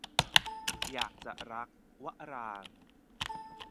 อยากจะรัก - วรางค์